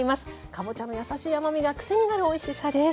かぼちゃの優しい甘みが癖になるおいしさです。